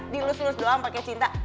dilus lus doang pake cinta